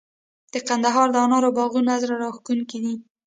د کندهار د انارو باغونه زړه راښکونکي دي.